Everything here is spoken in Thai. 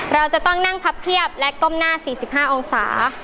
เราจะต้องนั่งพับเพียบและก้มหน้า๔๕องศา